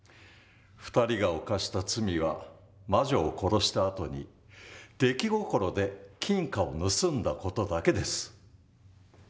２人が犯した罪は魔女を殺したあとに出来心で金貨を盗んだ事だけです。